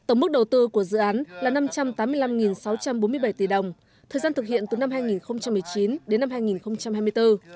tổng mức đầu tư của dự án là năm trăm tám mươi năm sáu trăm bốn mươi bảy tỷ đồng thời gian thực hiện từ năm hai nghìn một mươi chín đến năm hai nghìn hai mươi bốn